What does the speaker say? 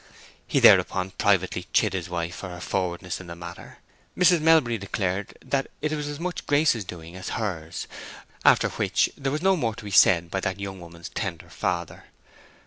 He thereupon privately chid his wife for her forwardness in the matter. Mrs. Melbury declared that it was as much Grace's doing as hers, after which there was no more to be said by that young woman's tender father.